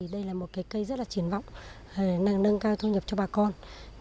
đây là một cây rất là triển vọng nâng cao thu nhập cho bà con